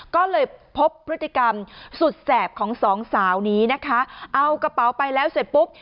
ก็เลยพบพฤติกรรมสุดแสบของสองสาวนี้นะคะเอากระเป๋าไปแล้วเสร็จปุ๊บ